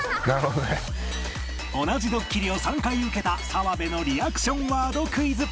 同じドッキリを３回受けた澤部のリアクションワードクイズ